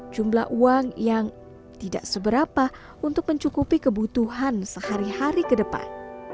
jumlah uang yang tidak seberapa untuk mencukupi kebutuhan sehari hari ke depan